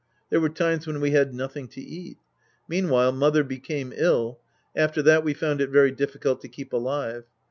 There were times when we had nothing to eat. MeanwWle mother became ill. After that, we found it very difficult to keep alive.